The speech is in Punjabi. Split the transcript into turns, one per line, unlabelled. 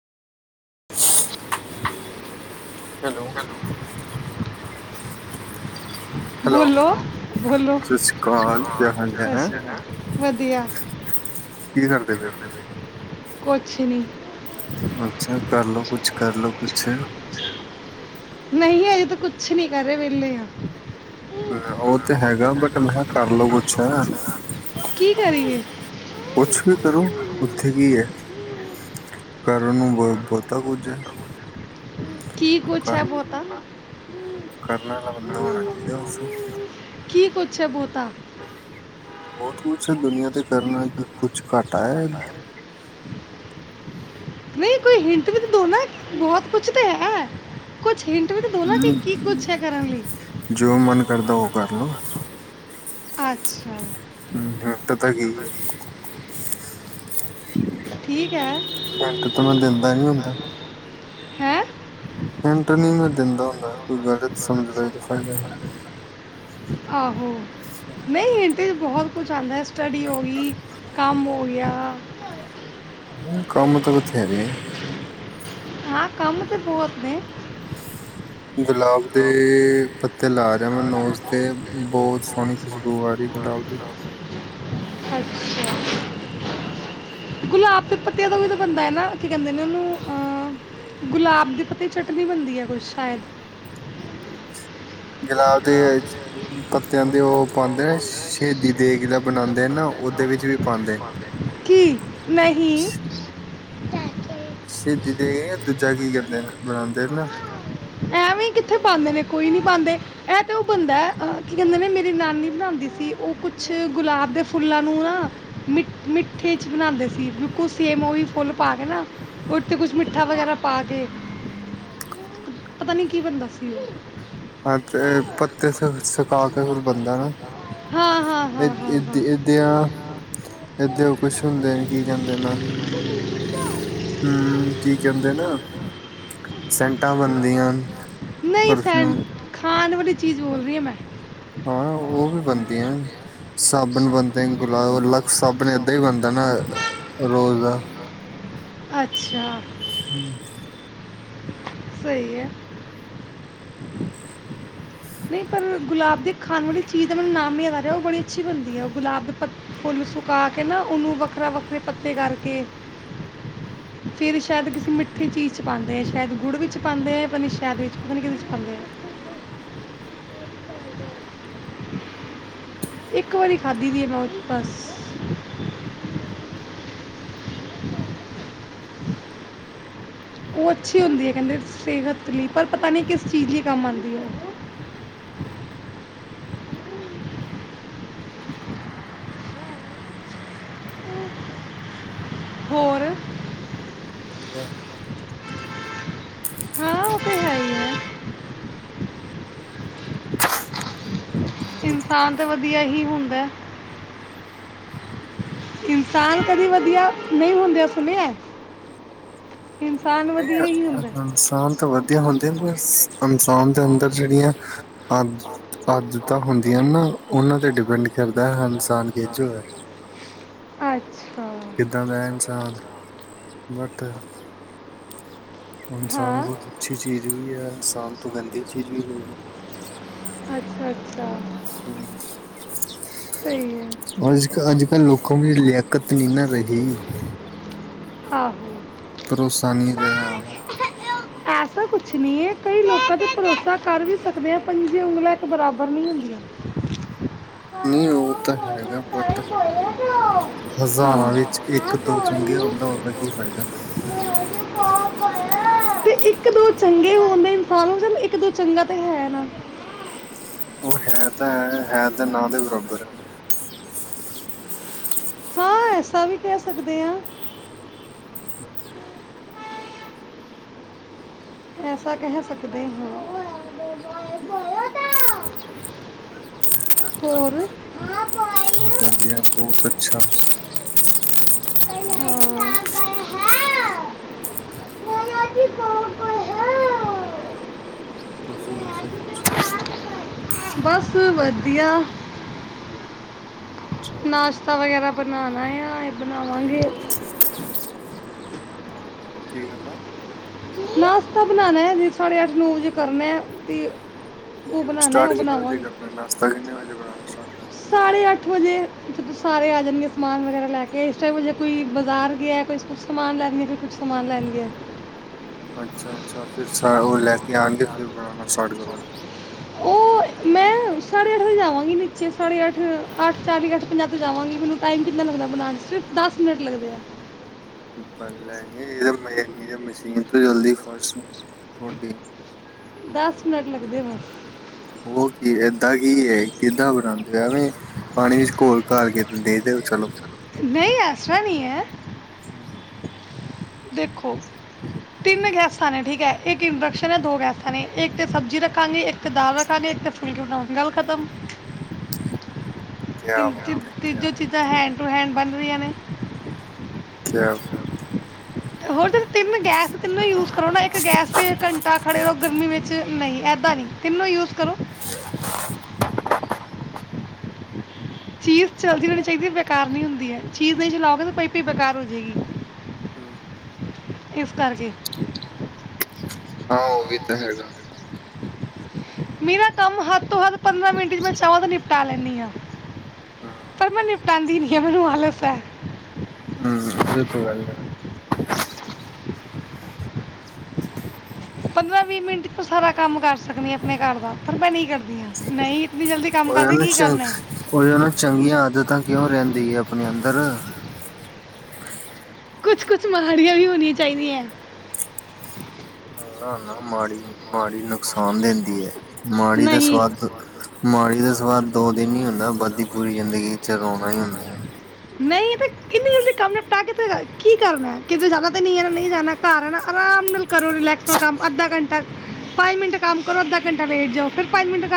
[inaudible]
[inaudible]
ਹੈਲੋ।
ਹੈਲੋ
ਬੋਲੋ, ਬੋਲੋ
ਸਤਿ ਸ਼੍ਰੀ ਅਕਾਲ ਕੀ ਹਾਲ
ਸੱਸ
ਹੈ
ਸ੍ਰੀ ਅਕਾਲ। ਵਧੀਆ।
[unintelligible] ਕੀ ਕਰਦੇ ਪੇ?
ਕੁਛ ਨੀ।
ਅੱਛਾ, ਕਰਲੋ ਕੁਛ, ਕਰਲੋ ਕੁਛ।
ਨਹੀਂ, ਅਜੇ ਤਾਂ ਕੁਛ ਨਹੀਂ ਕਰ ਰੇ ਵੇਲੇ ਆ।
ਹੁੰ। ਉਹ ਤੇ ਹੈਗਾ ਬਟ ਮੈਂ ਹਾ ਕਰਲੋ ਕੁਛ,
ਕੀ ਕਰੀਏ
ਕੁਛ। ਕਰੋ ਉੱਥੇ ਕੀ ਐ। ਕਰਨ ਨੂੰ ਬ ਬੋਤ। ਕੀਤਾ ਕੁਝ?
ਕੀ ਕੁਛ ਐ ਬੋਤਾ।
ਕਰਨ ਆਲਾ ਬੰਦਾ ਹੋਨਾ ਚਾਹੀਦਾ ਬੱਸ।
ਕੀ ਕੁਛ ਐ ਬੋਤਾ।
ਬੋਤ। ਕੁਛ ਦੁਨੀਆਂ ਤੇ ਕਰਨਾ, ਕਿ ਕੁਛ ਘਾਟਾ ਐ।
ਨਹੀਂ ਕੋਈ ਹਿੰਟ ਵੀ ਤੇ ਦੋ ਨਾ ਕਿ ਬੋਤ ਕੁਛ ਤੇ ਹੈ। ਕੁਛ ਹਿੰਟ ਵੀ ਤਾਂ ਦਿਓ ਨਾ ਕਿ
ਹੁੰ,
ਕੀ ਕੁਛ ਹੈ ਕਰਨ ਲਈ
ਜੋ ਮਨ ਕਰਦਾ ਉਹ ਕਰ ਲੋ।
ਅੱਛਾ।
ਹੁੰ, [unintelligible]
ਠੀਕ ਐ।
ਹਿੰਟ ਤਾਂ ਮੈਂ ਦਿੰਦਾ ਨੀ ਹੁੰਦਾ
ਹੈ?
ਹਿੰਟ ਨੀ ਮੈਂ ਦਿੰਦਾ ਹੁੰਦਾ ਕੋਈ ਗਲਤ ਸਮਝ ਲਏ ਤਾਂ ਫਾਇਦਾ
ਸਭ ਕੁਛ ਆਂਦਾ। ਸਟੱਡੀ ਹੋ ਗਈ, ਕੰਮ ਹੋ ਗਿਆ।
ਕਮ ਤੇ ਬਥੇਰੇ।
ਹਾਂ ਕੰਮ ਤੇ ਬੋਤ ਨੇ।
ਗੁਲਾਬ ਦੇ ਪੱਤੇ ਲਾ ਮੈ ਨੌਜ ਤੇ ਬਹੁਤ ਸੋਹਣੀ ਖੁਸ਼ਬੂ ਆ ਰਹੀ ਗ਼ੁਲਾਬ ਦੀ
ਅੱਛਾ ਗੁਲਾਬ ਤੇ ਉ ਵੀ ਤਾਂ ਬੰਦਾ ਨਾ ਕਹਿੰਦੇ ਨੇ ਉਹਨੂੰ ਅਮ, ਗੁਲਾਬ ਦੇ ਪਤੀ ਚਟਨੀ ਬਣਦੀ ਹੈ ਕੁਛ ਸ਼ਾਇਦ
ਗੁਲਾਬ ਦੇ ਪੱਤਿਆਂ ਦੇ ਉਹ ਪਾਉਂਦੇ ਨੇ ਸ਼ਹੀਦੀ ਦੇਗ ਜਿਹੜਾ ਬਣਾਉਂਦੇ ਨਾ ਉਹਦੇ ਵਿੱਚ ਵੀ ਪਾਉਂਦੇ ਨੇ।
ਕੀ ਨਹੀਂ [inaudible]
ਸਹੀਦੀ ਦੇ ਦੂਜਾ ਬਣਾਉਂਦੇ ਨਾ
ਐਵੇਂ, ਕਿੱਥੇ ਪਾਉਂਦੇ ਨੇ ਕੋਈ ਨੀ ਪਾਉਂਦੇ ਇਹਂ ਤਾਂ ਉਹ ਬੰਦਾ ਕੀ ਕਹਿੰਦੇ ਨੇ ਮੇਰੀ ਨਾਨੀ ਬਣਾਉਂਦੀ ਸੀ। ਉਹ ਕੁਛ ਗੁਲਾਬ ਦੇ ਫੁੱਲਾਂ ਨੂੰ ਨਾ ਮ ਮਿੱਠੇ ਚ ਬਣਾਉਂਦੇ ਸੀ ਬਿਲਕੁਲ ਸੇਮ ਉਹ ਵੀ ਫੁੱਲ ਪਾ ਕੇ ਨਾ ਉਹਥੇ ਕੁਛ ਮਿੱਠਾ ਵਗੈਰਾ ਪਾ ਕੇ ਪਤਾ ਨੀ ਕੀ ਬਦਾ ਸੀ ਉਹ
ਹਾਂ। ਤੇ ਪੱਤੇ ਸੁਕਾ ਕੇ ਫਰ ਬਣਦਾ ਨਾ
ਹਾਂ ਹਾਂ
ਇਹ
ਹਾਂ ਹਾਂ
ਏ
ਹਾਂ
ਏਦ ਏਦੇ ਉਹ ਕੁਛ ਹੁੰਦੇ ਨੇ ਕੀ ਕਹਿੰਦੇ ਨ ਹੂੰ ਕੀ ਕਹਿੰਦੇ ਨ ਸੈਂਟਾਂ ਬਣਦੀਆਂ ਹਨ ਪਰਫਿਊਮ
ਉਹ ਚੀਜ਼ ਬੋਲ ਰਹੀਾਂ ਮੈਂ
ਹਾਂ ਉਹ ਵੀ ਬਣਦੀਆਂ ਸਾਬਣ ਬਣਦੇ ਗੁਲਾਬ ਲਕਸ਼ ਸਾਬਣ ਏਦਾਂ ਹੀ ਬਣਦਾ ਨਾ ਰੋਜ਼ ਦਾ
ਅੱਛਾ
ਹੂੰ
ਸਹੀ ਹੈ। ਨਹੀਂ ਪਰ ਗੁਲਾਬ ਦੀ ਖਾਣ ਵਾਲੀ ਚੀਜ਼ ਦਾ ਮੈਨੂੰ ਨਾਮ ਹੀ ਆ ਰਿਹਾ ਉਹ ਬੜੀ ਅੱਛੀ ਬਣਦੀ ਹੈ ਗੁਲਾਬ ਦੇ ਫੁੱਲ ਸੁਕਾ ਕੇ ਨਾ ਉਹਨੂੰ ਵੱਖਰਾ ਵੱਖਰੇ ਪੱਤੇ ਕਰਕੇ ਫਿਰ ਸ਼ਾਇਦ ਕਿਸੇ ਮਿੱਠੀ ਚੀਜ਼ ਚ ਪਾਉਂਦੇ ਏ ਸ਼ਾਇਦ ਗੁੜ ਵਿੱਚ ਪਾਉਦੇ ਹੈ ਪਤਾ ਨਹੀਂ ਸ਼ਾਇਦ ਵਿੱਚ ਪਤਾ ਨਹੀਂ ਕਿਹਦੇ 'ਚ ਪਾਉਦੇ ਹੈ
ਹੂੰ
ਇੱਕ ਵਾਰੀ ਖਾਦੀ ਦੀ ਹੈ ਮੈਂ ਉਹ ਬਸ ਉਹ ਅੱਛੀ ਹੁੰਦੀ ਹੈ। ਕਹਿੰਦੇ ਸਿਹਤ ਲਈ ਪਰ ਪਤਾ ਨੀ ਕਿਸ ਚੀਜ਼ ਲਈ ਕੰਮ ਆਉਂਦੀ ਹੈ।
[inaudible]
ਹੋਰ
ਵਧਿਆ
ਹਾਂ ਉਹ ਤੇ ਹੈ ਹੀ ਐ
ਬਹੁਤ-
ਇਨਸਾਨ ਤਾਂ ਵਧੀਆ ਹੀ ਹੁੰ ਇਨਸਾਨ ਕਦੀ ਵਧੀਆ ਨਹੀਂ ਹੁੰਦੇ ਸੁਣਿਆ। ਇਨਸਾਨ ਵਧੀਆ
ਨਹੀਂ
ਹੀ ਹੁੰਦਾ
ਇਨਸਾਨ ਤਾਂ ਵਧੀਆ ਹੁੰਦੇ ਨੇ ਇਨਸਾਨ ਦੇ ਅੰਦਰ ਜਿਹੜੀਆਂ ਆਦ ਆਦਤਾਂ ਹੁੰਦੀਆਂ ਨਾ ਉਹਨਾਂ ਤੇ [unintelligible] ਕਰਦਾ ਹ ਇਨਸਾਨ ਕੇਜੋ ਹੈ।
ਅੱਛਾ
ਕਿੱਦਾਂ ਦਾ ਇਨਸਾਨ ਬਟ ਇਨਸਾਨ ਬਹੁਤ ਅੱਛੀ ਚੀਜ਼ ਵੀ ਹੈ ਇਨਸਾਨ ਤੋਂ ਗੰਦੀ ਚੀਜ਼ ਵੀ ਕੋਈ ਨਹੀਂ
ਅੱਛਾ ਸਹੀ ਹੈ
ਹੂੰ ਅੱਜ -ਕੱਲ ਲੋਕਾਂ ਦੀ ਲਿਆਕਤ ਨਹੀਂ ਨਾ ਰਹਗੀ।
ਆਹੋ।
ਪਰੋਸਾ ਨੀਂ ਰਿਹਾ।
ਐਸਾ ਕੁਛ ਨਈਂ ਏੰ, ਕਈ ਲੋਕਾਂ ਤੇ ਭਰੋਸਾ ਕਰ ਵੀ ਸਕਦੇ ਆ, ਪੰਜੇ ਉਂਗਲਾਂ ਇੱਕ ਬਰਾਬਰ ਨਈਂ ਹੁੰਦੀਆਂ।
ਨਹੀਂ ਉਹ
ਹਾਂ
ਤਾਂ ਹੈਗਾ, ਬਟ ਹਜ਼ਾਰਾਂ ਵਿੱਚ ਇੱਕ ਦੋ ਚੰਗੇ ਹੁੰਦਾੁੰ ਦਾ ਕੀ ਫ਼ਾਇਦਾ
ਤੇ ਇੱਕ ਦੋ ਚੰਗੇ ਹੋਣਦੇ ਇਨਸਾਨ, ਹੋ ਜਾਂ ਇੱਕ ਦੋ ਚੰਗਾ ਤੇ ਹੈ ਨਾ।
ਉਹ ਹੈ ਤਾਂ ਹੈ, ਹੈ ਦਾ ਨਾਂ ਦੇ ਬਰਾਬਰ ਹੈ ਨਾ।
ਹਾਂ, ਐਸਾ ਵੀ ਕਹਿ ਸਕਦੇ ਹਾਂ।
ਠ [inaudible]
ਐਸਾ ਕਹਿ ਸਕਦੇ ਹਾਂ।
ਕ ਵ [inaudible]
ਹੋਰ
ਵਧੀਆ ਬਹੁਤ ਅੱਛਾ।
ਗਏ ਹੈ ਮ ਜੀ ਕ [inaudible]
ਤੁਸੀਂ ਦਾ ਸਭ ਕੁਛ
ਗਿਆਆ [inaudible]
ਅੱਛਾ
ਨਾਸ਼ਤਾ ਵਗੈਰਾ ਬਨਾਨੈ ਆ [inaudible]
ਹੂੰ
ਬਨਾਵਾਂਗੇ
ਕੀੇਰਨਾ।
ਨਾਸਤਾ ਬਨਾਨੈ ਤੇ, ਸਾਡੇ ਅੱਠ- ਨੋ ਵਜੇ ਕਰਨਾ ਏ
ਸਟਾਟ ਕਿੰਨੇ ਵਜੇ ਕਰਨਾ? ਨਾਸਤਾ ਕਿੰਨੇ ਵਜੇ ਬਣਾਣਾ ਸਟਾਟ ਕਰਨਾ?
ਵਜੇ ਜਦੋਂ ਸਾਰੇ ਆ ਜਾਨਗੇ ਸਮਾਨ ਵਗੈਰਾ ਲੈ ਕੇ, ਇਸ ਟਾਈਮ ਜੇ ਕੋਈ ਬਜ਼ਾਰ ਗਿਆ, ਕੋਈ ਕੁਛ ਸਮਾਨ ਲੈਨ, ਕੋਈ ਕੁਛ ਸਮਾਨ ਲੈਨ ਗਿਆ।
ਅੱਛਾ-ਅੱਛਾ। ਫਿਰ ਸਾਰੇ ਓ ਲੈ ਕੇ ਆਨਗੇ, ਫਿਰ ਬਨਾਨਾ। ਸਾਰਟ ਕਰੋਗੇ
ਉਹ ਮੈਂ, ਸਾੜੇ ਅੱਠ ਵਜੇ ਜਾਵਾਂਗੀ ਨੀਚੇ, ਸਾੜੇ ਅੱਠ, ਅੱਠ ਚਾਲੀ- ਅੱਠ ਪੰਜਾਹ ਤੇ ਜਾਵਾਂਗੀ। ਮੈਨੂੰ ਟਾਈਮ ਕਿੰਨਾ ਲੱਗਦਾ ਬਨਾਨ 'ਚ ਦਸ ਮਿੰਟ ਲੱਗਦੇ ਆ।
ਪ ਲੈਣੀ। ਇਹਦੇ ਮ-ਮਸ਼ੀਨ ਤੋਂ ਜਲਦੀ ਫਾਸਟ ਤੁਹਾਡੀ
ਮਿੰਟ ਲੱਗਦੇ ਆ ਬਸ
[inaudible] ਓ ਕੀ? ਏਦਾਂ ਕੀ ਏ, ਕਿੱਦਾਂ ਬਣਾਂਨਦੇ ਆ? ਐਵੇਂ ਪਾਣੀ ਵਿੱਚ ਘੋਲ ਘਰ, ਕਿਸੇ ਨੂੰ ਦੇਦਿਓ।
ਨਈੰ, ਐਸਾ ਨਈੰ ਐੰ।
ਹਮ [inaudible]
ਦੇਖੋ, ਤਿੰਨ ਗੈਸਾਂ ਨੇ, ਠੀਕ ਐ। ਇੱਕ ਇੰਡਕਸ਼ਨ ਹੈ, ਦੋ ਗੈਸਾਂ ਨੇ। ਇੱਕ ਤੇ ਸਬਜ਼ੀ ਰੱਖਾਂਗੇ, ਇੱਕ ਤੇ ਦਾਲ ਰੱਖਾਂਗੇ, ਇੱਕ ਤੇ ਫੁਲਕੇ ਬਨਾਵਾਂਗੇ ਗੱਲ ਖਤਮ।
ਕਿਆ
ਤਿੰਨ-ਤਿੰਨ,
ਬਾਤ ਹੈ ਕਿਆ
ਤੀਨੋ ਚੀਜ਼ਾਂ,
ਬਾਤ
ਹੈਂਡ ਟੂ ਹੈਂਡ ਬਨ ਰਈੰਆਂ ਨੇ।
ਗੈਸ।
ਹੋਰ ਤੇ [inaudible] ਤਿੰਨ ਗੈਸ ਤੇ ਤਿੰਨੋ ਯੂਜ ਕਰੋ ਨਾ, ਇੱਕ ਗੈਸ ਤੇ ਘੰਟਾ ਖੜੇ ਰਹੋ ਗਰਮੀ ਵਿੱਚ। ਨਈਂ, ਐਦ ਤਿੰਨੋਂ ਯੂਜ ਕਰੋ।
[unintelligible]
ਚੀਜ਼ ਚੱਲਦੀ ਰੈਣੀ ਚਾਹੀਦੀ ਹੈ। ਬੇਕਾਰ ਨਹੀਂ ਹੁੰਦੀ ਹੈ। ਚੀਜ਼ ਨਹੀਂ ਚਲਾਓਗੇ ਤਾਂ ਪਈ ਪਈ ਬੇਕਾਰ ਹੋ ਜਾਏਗੀ।
ਹੂੰ
ਇਸ ਕਰਕੇ
ਹਾਂ, ਉਹ ਵੀ ਤਾਂ ਹੈਗਾ।
ਮੇਰਾ ਕੰਮ ਹੱਦ ਤੋਂ ਹੱਦ, ਪੰਦਰਾਂ ਮਿੰਟ ਚ ਮੈਂ ਚਾਹਵਾਂ ਤਾਂ ਨਿਪਟਾ ਲੈਂਨੀ ਆ। ਪਰ ਮੈਂ ਨਿਪਟਾਂਦੀ ਨੀ ਆ। ਮੈਨੂੰ ਆਲਸ ਪਰ
ਹਾਂ। ਏ ਤੇ ਗੱਲ ਹੈ।
ਪੰਦਰਾਂ-ਵੀਹ ਮਿੰਟ ਚ ਤੂੰ ਸਾਰਾ ਕੰਮ ਕਰ ਸਕਦੀ ਹੈ। ਆਪਣੇ ਘਰ ਦਾ, ਪਰ ਮੈਂ ਨਹੀਂ ਕਰਦੀ। ਹਾਂ ਨਹੀਂ ਇਤਨੀ ਜਲਦੀ ਕੰਮ
ਉਹੀ ਆ
ਕਰਕੇ
ਨਾ
ਕੀ
ਚੰ,
ਕਰਨਾ ਹੈ
ਉਹੀ ਉਹਨੂੰ ਚੰਗੀਆਂ ਆਦਤਾਂ ਕਿਉਂ ਰਹਿੰਦੀ ਹੈ, ਆਪਣੇ ਅੰਦਰ?
ਕੁਛ-ਕੁਛ ਮਾੜੀਆਂ ਵੀ ਹੋਣੀਆਂ ਚਾਹੀਦੀ ਏ।
ਨਾ-ਨਾ ਮੀੜੀ ਨੀ। ਮਾੜੀ ਨੁਕਸਾਨ ਦਿੰਦੀ ਹੈ। ਮਾੜੀ ਦਾ
ਨਹੀਂ
ਸਵਾਦ, ਮਾੜੀ ਦਾ ਉਸ ਤੋਂ ਬਾਅਦ ਦੋ ਦਿਨ ਹੀ ਹੁੰਦਾ, ਵੱਧਦੀ ਪੂਰੀ ਜ਼ਿੰਦਗੀ ਚ ਰੋਉਣਾ ਹੀ ਹੁੰਦਾ ਹੈ।
ਨਹੀਂ ਤੇ ਕਿੰਨੀ ਕੰਮ ਨਿਪਟਾ ਕੇ ਫਿਰ ਕੀ ਕਰਨਾ। ਕਿਤੇ ਜਾਣਾ ਤੇ ਨਹੀਂ ਹੈਣਾ, ਨਹੀਂ ਜਾਣਾ ਘਰ ਆਨਾ। ਆਰਾਮ ਨਾਲ ਕਰੋ, ਰਿਲੈਕਸ ਨਾਲ, ਅਧਾ ਘੰਟਾ, ਫਾਈਵ ਮਿੰਟ ਕੰਮ ਕਰੋ ਅੱਧਾ ਘੰਟਾ ਲੇਟ ਜਾਓ ਫਿਰ ਪੰਜ ਮਿੰਟ